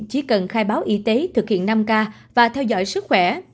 chỉ cần khai báo y tế thực hiện năm k và theo dõi sức khỏe